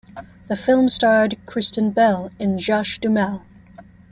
The film starred Kristen Bell and Josh Duhamel.